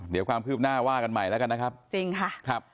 เดี๋ยวความคืบหน้าว่ากันใหม่แล้วกันนะครับ